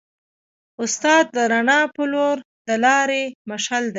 استاد د رڼا په لور د لارې مشعل دی.